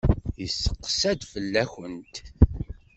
Yesteqsa-d fell-akent.